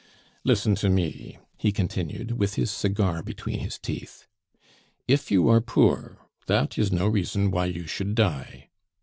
"Listen to me," he continued, with his cigar between his teeth; "if you are poor, that is no reason why you should die.